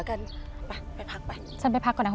ตันตายแล้ว